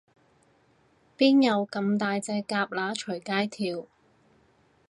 邊有噉大隻蛤乸隨街跳